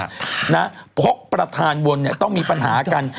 ปนน์ประธานวลเนี่ต้องมีปัญหากัน